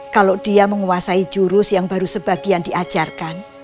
kalau dia menguasai jurus yang baru sebagian diajarkan